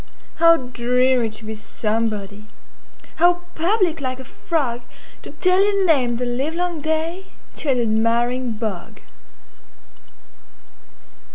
How dreary to be somebody! How public, like a frogTo tell your name the livelong dayTo an admiring bog!